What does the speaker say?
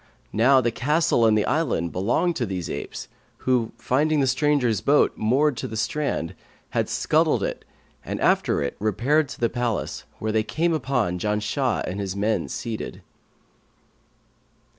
Now the castle and the island belonged to these apes, who, finding the strangers' boat moored to the strand, had scuttled it and after repaired to the palace, where they came upon Janshah and his men seated."